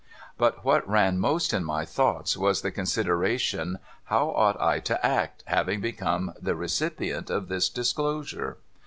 But what ran most in my thoughts was the consideration how ought I to act, having become the recipient of this disclosure